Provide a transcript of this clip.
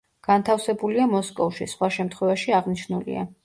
განთავსებულია მოსკოვში, სხვა შემთხვევაში აღნიშნულია.